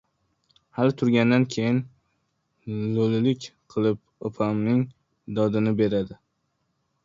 Hali turgandan keyin «lo’lilik» qilib opamning dodini beradi.